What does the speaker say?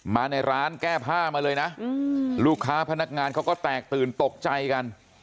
มาในร้านแก้ผ้ามาเลยนะลูกค้าพนักงานเขาก็แตกตื่นตกใจกัน